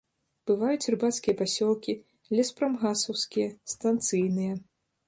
Бываюць рыбацкія пасёлкі, леспрамгасаўскія, станцыйныя.